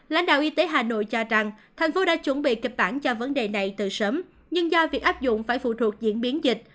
lãnh đạo y tế hà nội cho rằng thành phố đã chuẩn bị kịch bản cho vấn đề này từ sớm nhưng do việc áp dụng phải phụ thuộc diễn biến dịch